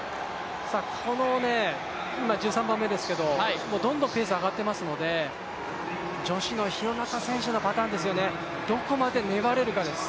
今１３番目ですけど、どんどんペースが上がっていますので女子の廣中選手のパターンですよね、どこまで粘れるかです。